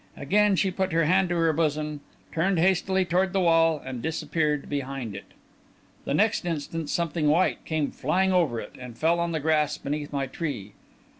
Again she put her hand to her bosom, turned hastily toward the wall, and disappeared behind it. The next instant, something white came flying over it, and fell on the grass beneath my tree.